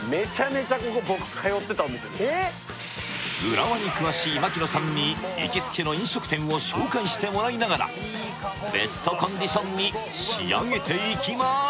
浦和に詳しい槙野さんに行きつけの飲食店を紹介してもらいながらベストコンディションに仕上げていきます